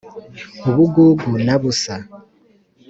ubugugu na busa